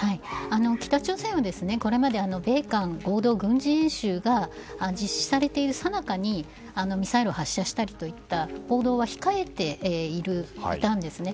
北朝鮮はこれまで米韓合同軍事演習が実施されているさなかにミサイルを発射したりという行動は控えていたんですね。